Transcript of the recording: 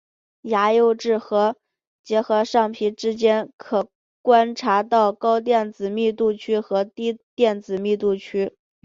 牙釉质和结合上皮之间可以观察到高电子密度区和低电子密度区。